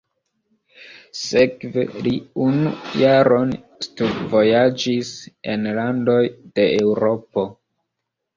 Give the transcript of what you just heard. Sekve li unu jaron studvojaĝis en landoj de Eŭropo.